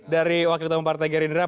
dari wakil ketua pertanian gerindra